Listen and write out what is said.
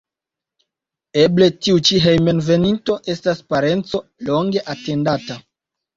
Eble tiu ĉi hejmenveninto estas parenco longe atendata.